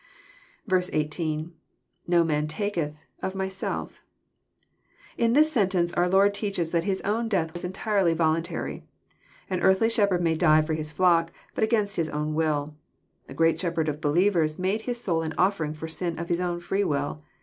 18. — [Ab man takeih..,of tnyBelf,"] In this sentence our Lord teaches that His own death was entirely voluntary. An earthly shepherd may die for his flock, but against his own will. The Great Shepherd of believers made His soul an offering for sin of His own tree will.